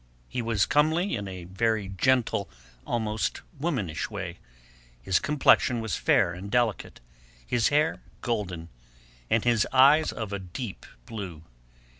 He was comely in a very gentle, almost womanish way; his complexion was fair and delicate, his hair golden, and his eyes of a deep blue.